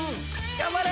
頑張れ！